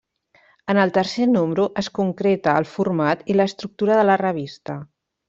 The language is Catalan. En el tercer número es concreta el format i l'estructura de la revista.